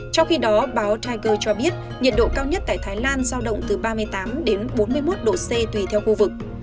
trong khi đó báo chiker cho biết nhiệt độ cao nhất tại thái lan giao động từ ba mươi tám đến bốn mươi một độ c tùy theo khu vực